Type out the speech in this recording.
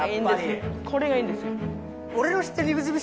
これがいいんです。